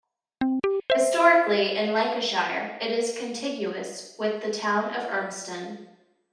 Historically in Lancashire, it is contiguous with the town of Urmston.